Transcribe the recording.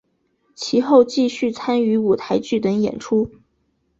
其后继续参与舞台剧等演出。